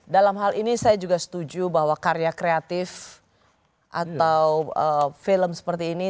dalam hal ini saya juga setuju bahwa karya kreatif atau film seperti ini